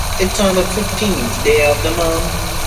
It's on the fifteenth day of the month.